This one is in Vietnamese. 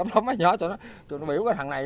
mấy nhỏ tôi nói tôi biểu cái thằng này